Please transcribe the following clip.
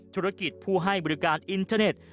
ธุรกิจผู้ให้บริการอินเทอร์เน็ต